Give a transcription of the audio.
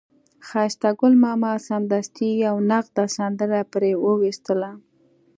ښایسته ګل ماما سمدستي یوه نغده سندره پرې وویستله.